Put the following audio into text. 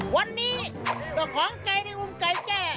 วันนี้ก็ของใกล้ในอุ้มใกล้แจ้